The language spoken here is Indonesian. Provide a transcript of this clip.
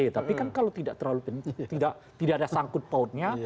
tapi kan kalau tidak terlalu penting tidak ada sangkut pautnya